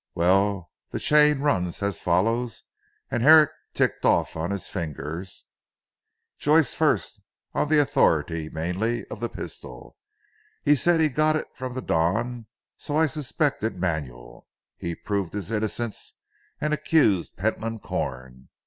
Well the chain runs as follows," and Herrick ticked off on his fingers, "Joyce first on the authority mainly of the pistol. He said he got it from the Don so I suspected Manuel. He proved his innocence, and accused Pentland Corn.